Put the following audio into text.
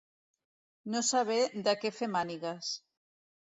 No saber de què fer mànigues.